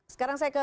sekarang saya ke